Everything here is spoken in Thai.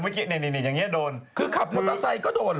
ลาที่ขับมอเตอร์ไซซ์ก็โดนเหรอ